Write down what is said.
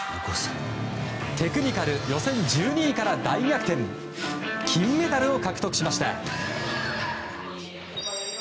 テクニカル予選１２位から大逆転金メダルを獲得しました！